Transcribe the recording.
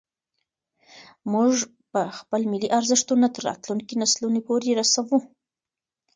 موږ به خپل ملي ارزښتونه تر راتلونکو نسلونو پورې رسوو.